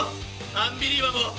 アンビリバボー。